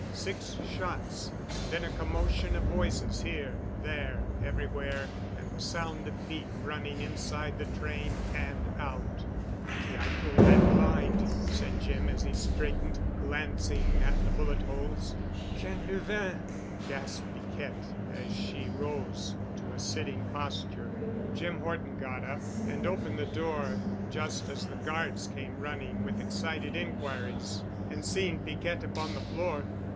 Six shots and then a commotion of voices here, there, everywhere, and the sound of feet running inside the train and out. "Lucky I pulled that blind," said Jim as he straightened, glancing at the bullet holes. "Quinlevin," gasped Piquette as she rose to a sitting posture. Jim Horton got up and opened the door just as the guards came running with excited inquiries, and seeing Piquette upon the floor.